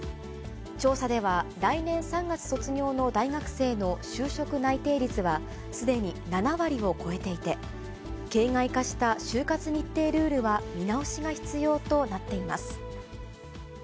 調査では、来年３月卒業の大学生の就職内定率は、すでに７割を超えていて、形骸化した就活日程ルールは、見直しが必要となっています。